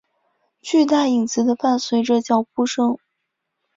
巨大影子的伴随着脚步声。